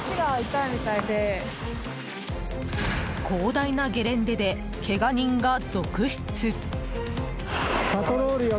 広大なゲレンデでけが人が続出。